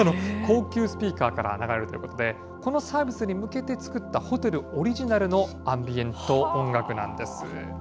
高級スピーカーから流れるということで、このサービスに向けて作ったホテルオリジナルのアンビエント音楽なんです。